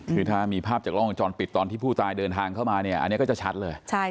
คือถ้ามีภาพจากล้องวงจรปิดตอนที่ผู้ตายเดินทางเข้ามาเนี่ยอันนี้ก็จะชัดเลย